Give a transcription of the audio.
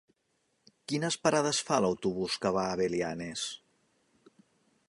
Quines parades fa l'autobús que va a Belianes?